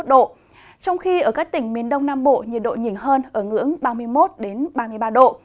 trong khi ở các tỉnh miền đông nam bộ nhiệt độ nhìn hơn ở ngưỡng ba mươi một ba mươi ba độ